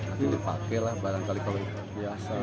akhirnya dipakailah barangkali kalau itu biasa